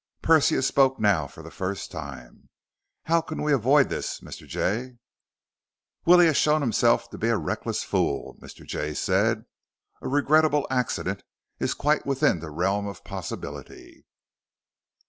Persia spoke now for the first time. "How can we avoid this, Mr. Jay?" "Willie has shown himself to be a reckless fool," Mr. Jay said. "A regrettable accident is quite within the realm of possibility."